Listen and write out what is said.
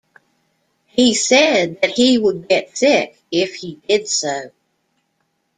He said that he would get sick if he did so.